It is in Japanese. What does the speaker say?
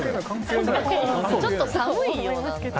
ちょっと寒いよ。